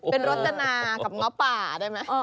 เป็นรจนากับง้อป่าได้ไหม